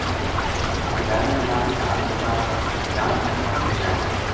ٹھیکیداراں کے نال حساب کتاب وس زیان کا گراں نا جا رہیا